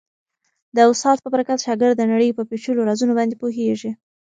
د استاد په برکت شاګرد د نړۍ په پېچلو رازونو باندې پوهېږي.